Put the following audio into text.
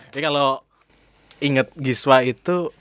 jadi kalau inget giswa itu